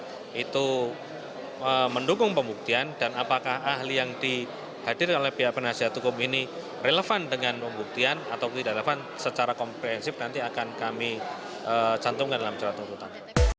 nah itu mendukung pembuktian dan apakah ahli yang dihadirkan oleh pihak penasihat hukum ini relevan dengan pembuktian atau tidak relevan secara komprehensif nanti akan kami cantumkan dalam surat tuntutan